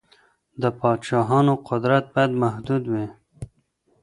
د پادشاهانو قدرت بايد محدود وي.